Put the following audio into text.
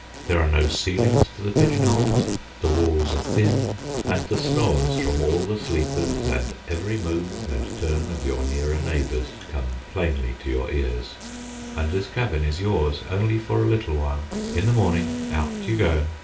There are no ceilings to the pigeon holes, the walls are thin, and the snores from all the sleepers and every move and turn of your nearer neighbours come plainly to your ears. And this cabin is yours only for a little while. In the morning out you go.